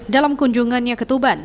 dalam kunjungannya ke tuban